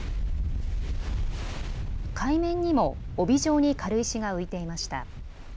海面にも帯状に軽石が浮いていました。